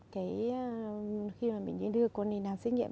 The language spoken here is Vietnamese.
khi mình đưa con đi làm xét nghiệm